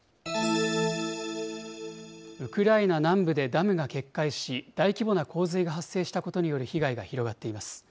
ウクライナ南部でダムが決壊し、大規模な洪水が発生したことによる被害が広がっています。